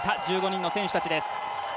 １５人の選手たちです。